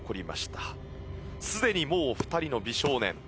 すでにもう２人の美少年。